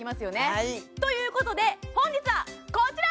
はいということで本日はこちら！